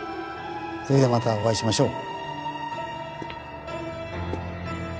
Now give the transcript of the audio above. それじゃまたお会いしましょう。